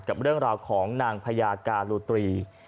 กับเรื่องราวของนางพญาการูตรี